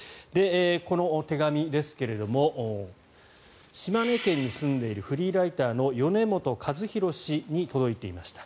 この手紙ですが島根県に住んでいるフリーライターの米本和広氏に届いていました。